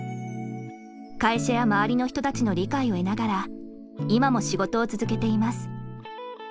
会社や周りの人たちの理解を得ながら今も仕事を続けています。